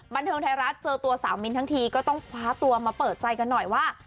บันเทิงไทยรัฐเจอตัวสาวมิ้นทั้งทีก็ต้องคว้าตัวมาเปิดใจกันหน่อยว่า